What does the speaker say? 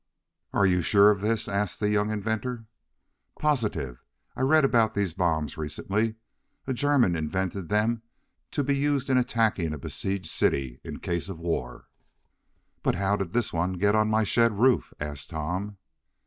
"Are you sure of this?" asked the young inventor. "Positive. I read about these bombs recently. A German invented them to be used in attacking a besieged city in case of war." "But how did this one get on my shed roof?" asked Tom.